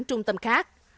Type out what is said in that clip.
trung tâm khác